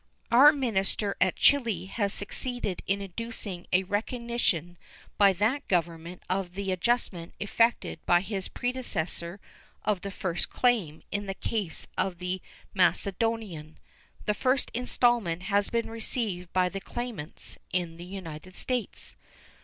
Our minister at Chili has succeeded in inducing a recognition by that Government of the adjustment effected by his predecessor of the first claim in the case of the Macedonian. The first installment has been received by the claimants in the United States.